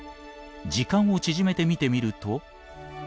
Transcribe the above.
時間を縮めて見てみると。